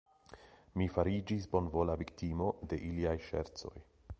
Mi fariĝis bonvola viktimo de iliaj ŝercoj.